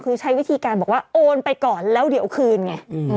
คือใช้วิธีการบอกว่าโอนไปก่อนแล้วเดี๋ยวคืนไง